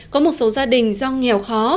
có một số gia đình do nghèo khó